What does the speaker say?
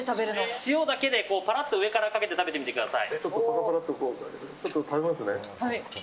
塩だけでパラッと上からかけて食べてみてください。